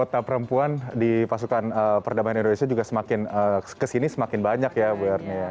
kita perempuan di pasukan perdamaian indonesia juga semakin kesini semakin banyak ya ibu ernie